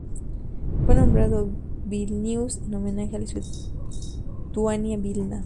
Fue nombrado Vilnius en homenaje a la ciudad de Lituania Vilna.